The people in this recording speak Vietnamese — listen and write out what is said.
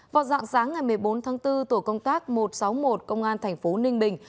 vào dạng sáng ngày một mươi bốn tháng bốn tổ công tác một trăm sáu mươi một công an thành phố ninh bình